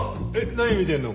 何見てるの？